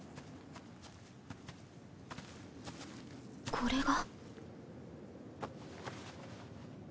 これが。